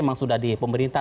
memang sudah di pemerintah